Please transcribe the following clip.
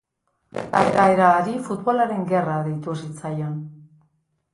Gertaera hari Futbolaren Gerra deitu zitzaion.